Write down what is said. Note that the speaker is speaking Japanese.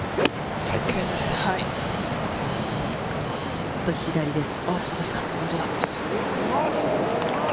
ちょっと左です。